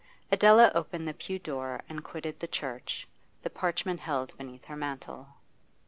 Adela opened the pew door and quitted the church, the parchment held beneath her mantle.